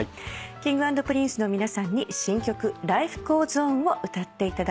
Ｋｉｎｇ＆Ｐｒｉｎｃｅの皆さんに新曲『Ｌｉｆｅｇｏｅｓｏｎ』を歌っていただきます。